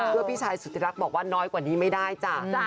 เพื่อพี่ชายสุธิรักษ์บอกว่าน้อยกว่านี้ไม่ได้จ้ะ